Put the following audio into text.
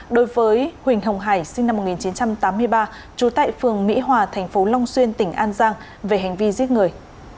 đối với huỳnh hồng hải sinh năm một nghìn chín trăm tám mươi ba trú tại phường mỹ hòa thành phố long xuyên tỉnh an giang về hành vi giết người